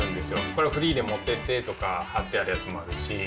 これ、フリーで持ってってとか貼ってあるやつもあるし。